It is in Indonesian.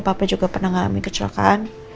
papa juga pernah mengalami kecelakaan